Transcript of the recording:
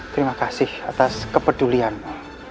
terima kasih atas kepedulianmu